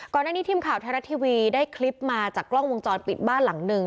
ก่อนหน้านี้ทีมข่าวไทยรัฐทีวีได้คลิปมาจากกล้องวงจรปิดบ้านหลังหนึ่ง